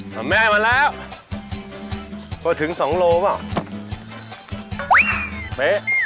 ถังแม่มาแล้วก็ถึงส่งโลกับ